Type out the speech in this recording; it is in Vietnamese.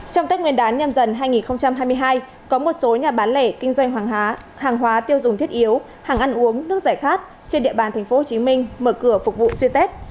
trong tết nguyên đán nhâm dần hai nghìn hai mươi hai có một số nhà bán lẻ kinh doanh hàng hóa hàng hóa tiêu dùng thiết yếu hàng ăn uống nước giải khát trên địa bàn tp hcm mở cửa phục vụ xuyên tết